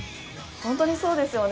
本当にそうですよね。